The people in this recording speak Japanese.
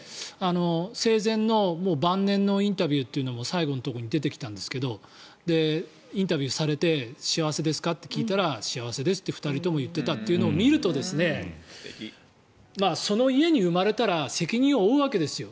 生前の晩年のインタビューというのも最後のところに出てきたんですがインタビューされて幸せですか？って聞いたら幸せですと２人とも言っていたことを見るとその家に生まれたら責任を負うわけですよ。